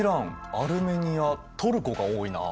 アルメニアトルコが多いな。